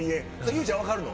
結実ちゃん分かるの？